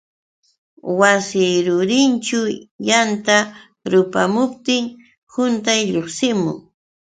Wasi rurinćhu yanta rupamuptinmi quntay lluqsimun.